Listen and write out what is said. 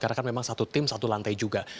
karena kan memang satu tim satu lantai juga